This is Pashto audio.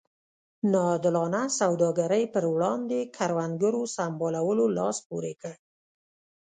نا عادلانه سوداګرۍ پر وړاندې کروندګرو سمبالولو لاس پورې کړ.